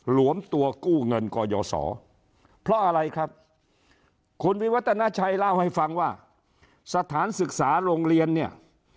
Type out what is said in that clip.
วมตัวกู้เงินกยศรเพราะอะไรครับคุณวิวัฒนาชัยเล่าให้ฟังว่าสถานศึกษาโรงเรียนเนี่ย